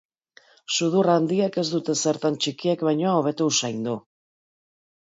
Sudur handiek ez dute zertan txikiek baino hobeto usaindu.